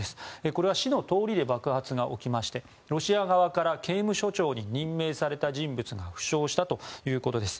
これは市の通りで爆発が起きましてロシア側から刑務所長に任命された人物が負傷したということです。